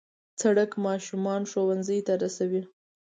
سړک ماشومان ښوونځي ته رسوي.